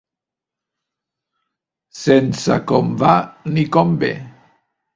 Sense com va ni com ve.